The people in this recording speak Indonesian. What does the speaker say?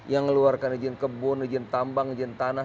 yang ngeluarkan izin kebun izin tambang izin tanah